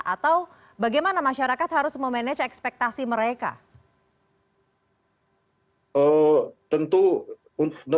atau bagaimana masyarakat harus memanage ekspektasi mereka